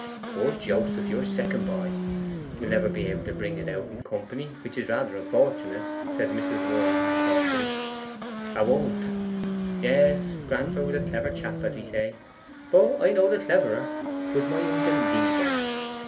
'Poor Joseph, your second boy, will never be able to bring it out in company, which is rather unfortunate,' said Mrs. Worm thoughtfully. ''A won't. Yes, grandfer was a clever chap, as ye say; but I knowed a cleverer. 'Twas my uncle Levi.